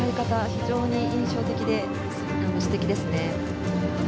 非常に印象的で素敵ですね。